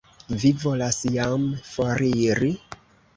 Vi volas jam foriri?